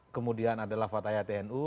kemudian adalah fatah tnu